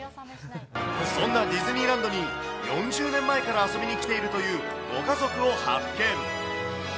そんなディズニーランドに４０年前から遊びに来ているというご家族を発見。